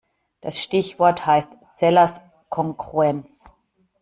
Das Stichwort heißt Zellers Kongruenz.